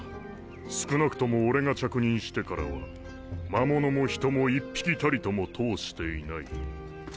少なくとも俺が着任してからは魔物も人も１匹たりとも通していない。